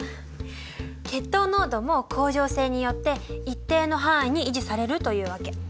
血糖濃度も恒常性によって一定の範囲に維持されるというわけ。